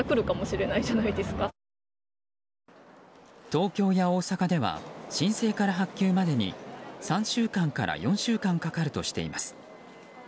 東京や大阪では申請から発給までに３週間から４週間かかるとしています。